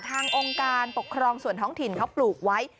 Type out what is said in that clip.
องค์การปกครองส่วนท้องถิ่นเขาปลูกไว้